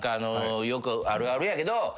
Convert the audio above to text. あるあるやけど。